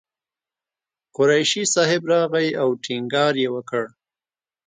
قریشي صاحب راغی او ټینګار یې وکړ.